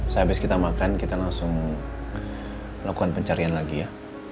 saya habis kita makan kita langsung lakukan pencarian lagi ya